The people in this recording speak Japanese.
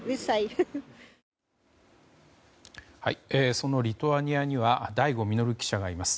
そのリトアニアには醍醐穣記者がいます。